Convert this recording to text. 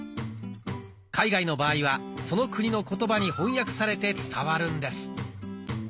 海外の場合はその国の言葉に翻訳されて伝わるんです。